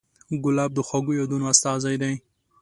ګلاب د خوږو یادونو استازی دی.